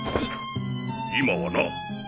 今はな。